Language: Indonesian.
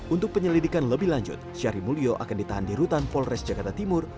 untuk penyelidikan lebih lanjut syari mulyo akan ditahan di rutan polres jakarta timur